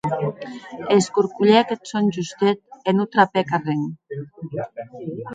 Escorcolhèc eth sòn justet e non trapèc arren.